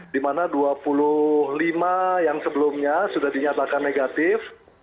dimana dua puluh lima yang sebelumnya sudah dinyatakan negatif